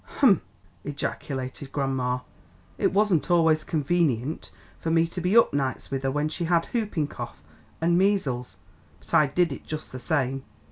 "Hump!" ejaculated grandma, "it wasn't always convenient for me to be up nights with her when she had whooping cough and measles, but I did it just the same.